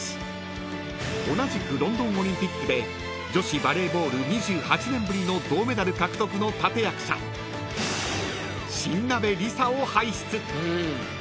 ［同じくロンドンオリンピックで女子バレーボール２８年ぶりの銅メダル獲得の立役者新鍋理沙を輩出］